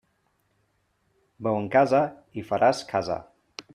Beu en casa i faràs casa.